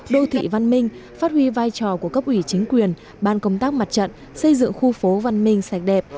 đô thị văn minh phát huy vai trò của cấp ủy chính quyền ban công tác mặt trận xây dựng khu phố văn minh sạch đẹp